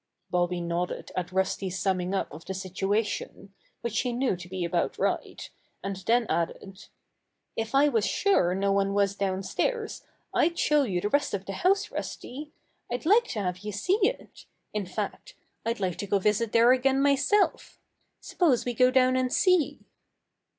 Bobby nodded at Rusty's summing up of the situation, which he knew to be about right, and then added : "If I was sure no one was downstairs, I'd show you the rest of the house, Rusty. I'd like to have you see it. In fact, I'd like to visit there again myself. Suppose we go down and see."